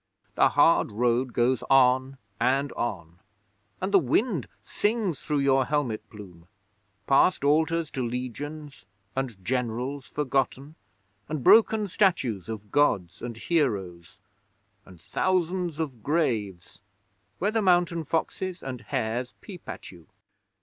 The hard road goes on and on and the wind sings through your helmet plume past altars to Legions and Generals forgotten, and broken statues of Gods and Heroes, and thousands of graves where the mountain foxes and hares peep at you.